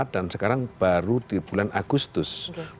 dan sekarang baru di bulan agustus dua ribu dua puluh dua